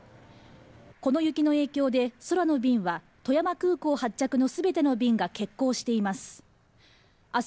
この雪の影響で空の便は富山空港発着の全ての便が欠航しています。